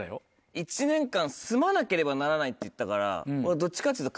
１年間住まなければならないって言ったから俺どっちかっつうと。